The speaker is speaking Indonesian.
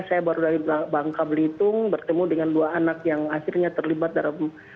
saya baru dari bangka belitung bertemu dengan dua anak yang akhirnya terlibat dalam